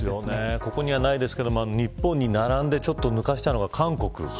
ここにはないですけど日本に並んで抜かしたのが韓国。